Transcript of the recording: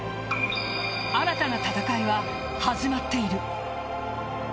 新たな戦いは始まっている。